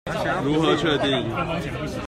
如何確定？